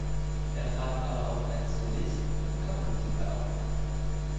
Er trat aber auch als Solist und Kammermusiker auf.